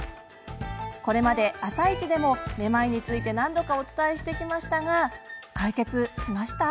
これまで「あさイチ」でもめまいについて何度かお伝えしてきましたが解決しました？